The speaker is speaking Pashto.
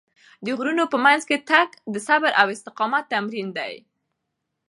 د غرونو په منځ کې تګ د صبر او استقامت تمرین دی.